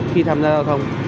khi tham gia giao thông